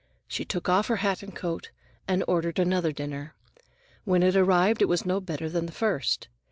She took off her hat and coat and ordered another dinner. When it arrived, it was no better than the first.